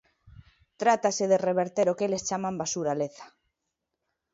Trátase de reverter o que eles chaman basuraleza.